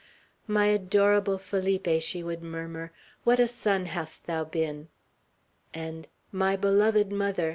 "My adorable Felipe!" she would murmur. "What a son hast thou been!" And, "My beloved mother!